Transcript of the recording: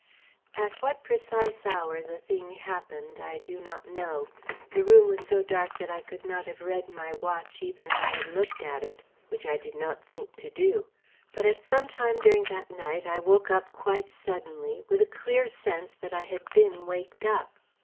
At what precise hour the thing happened I do not know. The room was so dark that I could not have read my watch, even if I had looked at it, which I did not think to do. But at some time during that night I woke up quite suddenly with a clear sense that I had been waked up.